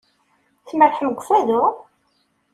Tmerrḥem deg Ukfadu?